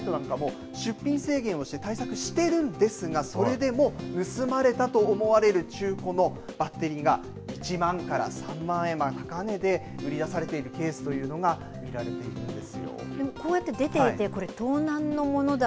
フリマサイトなんかも出品制限をして対策しているんですがそれでも盗まれたと思われる中古のバッテリーが１万から３万円、高値で売り出されているケースというのが見られているんです。